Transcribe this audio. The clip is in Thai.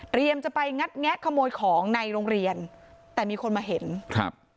จะไปงัดแงะขโมยของในโรงเรียนแต่มีคนมาเห็นครับ